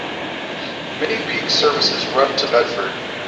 Many peak services run to Bedford.